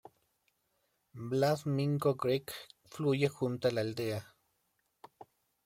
Black Mingo Creek fluye junto a la aldea.